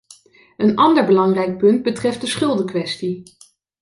Een ander belangrijk punt betreft de schuldenkwestie.